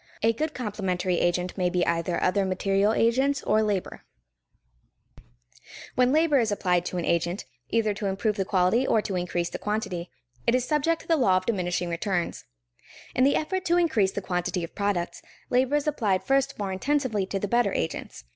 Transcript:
A complementary agent may be either other material agents or labor. [Sidenote: Complementary agents used intensively show diminishing returns] When labor is applied to an agent, either to improve the Quality or to increase the quantity, it is subject to the law of diminishing returns. In the effort to increase the quantity of products, labor is applied first more intensively to the better agents.